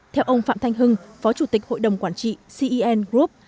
theo ông phạm thanh hưng phó chủ tịch hội đồng quản trị cen group